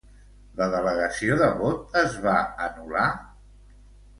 La delegació de vot es va anul·lar?